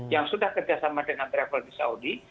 yang sudah bekerja sama travel di saudi